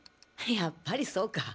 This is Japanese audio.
やっぱりそうか！